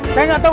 saya gak tahu